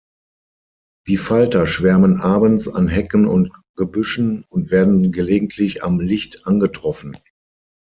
Die Falter schwärmen abends an Hecken und Gebüschen und werden gelegentlich am Licht angetroffen.